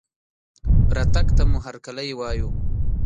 رتګ ته مو هرکلى وايو